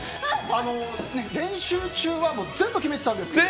練習中は全部決めてたんですけど。